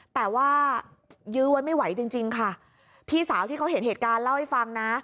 แต่ว่ายื้อไว้ไม่ไหวจริงจริงค่ะพี่สาวที่เขาเห็นเหตุการณ์เล่าให้ฟังนะ